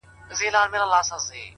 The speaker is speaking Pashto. ه ما يې هر وختې په نه خبره سر غوښتی دی,